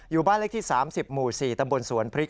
บ้านเลขที่๓๐หมู่๔ตำบลสวนพริก